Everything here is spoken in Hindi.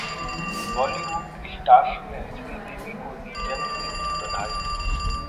बॉलीवुड स्टार्स ने श्रीदेवी को दी जन्मदिन की बधाई